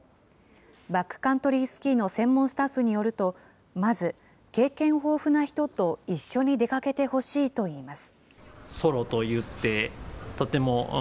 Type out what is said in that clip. バックカントリースキーの専門スタッフによると、まず、経験豊富な人と一緒に出かけてほしいといいます。